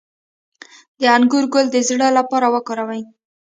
د انګور ګل د زړه لپاره وکاروئ